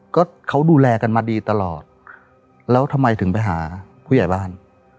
ก็เขาดูแลกันมาดีตลอดแล้วทำไมถึงไปหาผู้ใหญ่บ้าน